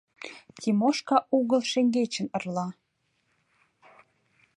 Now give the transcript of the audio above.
— Тимошка угыл шеҥгечын ырла.